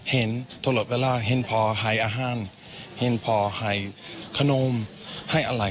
เห็นตลอดเวลาเห็นพอให้อาหารเห็นพอให้ขนมให้อะไร